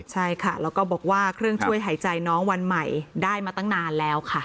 ใช่ค่ะแล้วก็บอกว่าเครื่องช่วยหายใจน้องวันใหม่ได้มาตั้งนานแล้วค่ะ